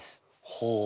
ほう。